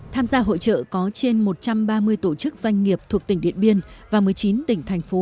tham gia hội trợ có trên một trăm ba mươi tổ chức doanh nghiệp thuộc tỉnh điện biên và một mươi chín tỉnh thành phố